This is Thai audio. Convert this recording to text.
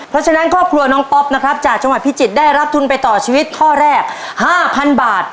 เพราะฉะนั้นครอบครัวน้องป๊อปนะครับจากจังหวัดพิจิตรได้รับทุนไปต่อชีวิตข้อแรก๕๐๐๐บาท